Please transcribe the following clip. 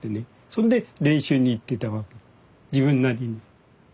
そんで練習に行ってたわけ自分なりに。